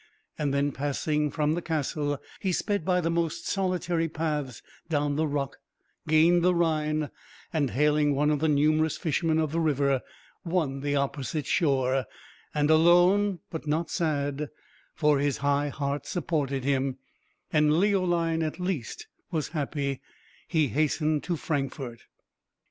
Then passing from the castle, he sped by the most solitary paths down the rock, gained the Rhine, and hailing one of the numerous fishermen of the river, won the opposite shore; and alone, but not sad, for his high heart supported him, and Leoline at least was happy, he hastened to Frankfort.